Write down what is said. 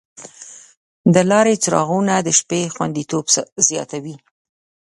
د لارې څراغونه د شپې خوندیتوب زیاتوي.